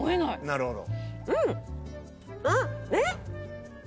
なるほど。